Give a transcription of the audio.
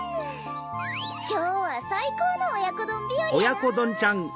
きょうはさいこうのおやこどんびよりやなぁ！